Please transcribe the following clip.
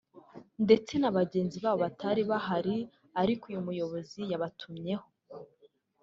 ndetse na bagenzi babo batari bahari ariko uyu muyobozi yabatumyeho